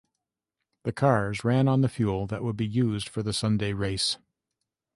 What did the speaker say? The cars ran on the fuel that would be used for the Sunday race.